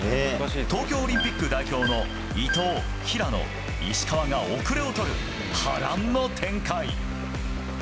東京オリンピック代表の伊藤、平野、石川が後れを取る、波乱の展開。